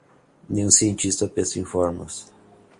Nenhum cientista pensa com fórmulas.